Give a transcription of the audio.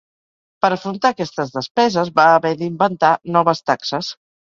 Per afrontar aquestes despeses va haver d'inventar noves taxes.